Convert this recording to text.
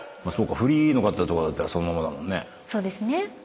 フリーの方とかだったらそのままだもんね。